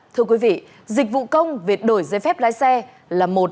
thưa quý vị dịch vụ công việc đổi giấy phép lái xe là một